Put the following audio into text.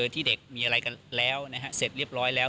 ที่เด็กมีอะไรกันแล้วเสร็จเรียบร้อยแล้ว